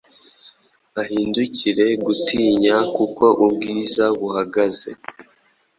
uhindukire gutinya kuko Ubwiza buhagaze